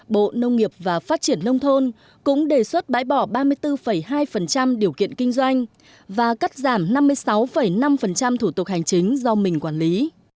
bộ nông nghiệp và phát triển nông thôn cũng đề xuất bãi bỏ ba mươi bốn hai điều kiện kinh doanh và cắt giảm năm mươi sáu năm thủ tục hành chính do mình quản lý